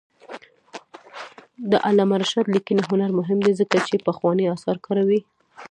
د علامه رشاد لیکنی هنر مهم دی ځکه چې پخواني آثار کاروي.